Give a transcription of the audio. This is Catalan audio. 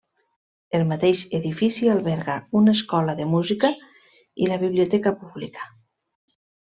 El mateix edifici alberga una escola de música i la biblioteca pública.